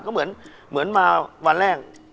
ก็เหมือนมาวันแรก